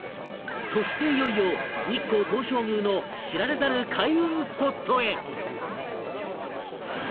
そしていよいよ日光東照宮の知られざる開運スポットへ！